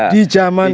di zaman itu